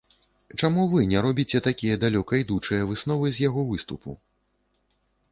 Чаму вы не робіце такія далёкаідучыя высновы з яго выступу?